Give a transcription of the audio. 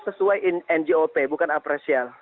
sesuai ngop bukan apresial